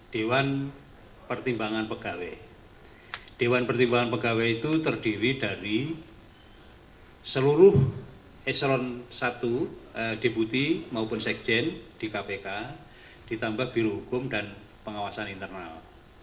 ditambah birohukum dan pengawasan internal